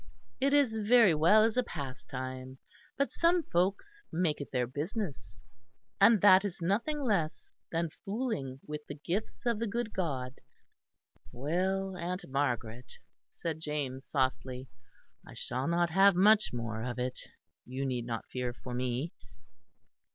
It is very well as a pastime, but some folks make it their business; and that is nothing less than fooling with the gifts of the good God." "Well, aunt Margaret," said James softly, "I shall not have much more of it. You need not fear for me."